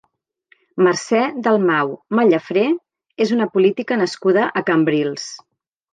Mercè Dalmau Mallafré és una política nascuda a Cambrils.